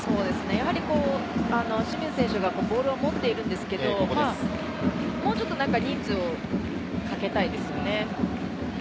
やはり清水選手がボールを持っているんですけど、もうちょっと人数をかけたいですよね。